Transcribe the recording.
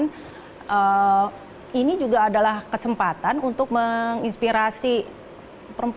dan ini juga adalah kesempatan untuk menginspirasi perempuan